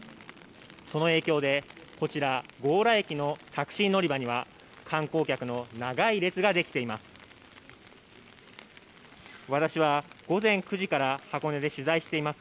その影響で、こちら、強羅駅のタクシー乗り場には観光客の長い列ができています。